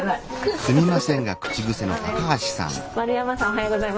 はい。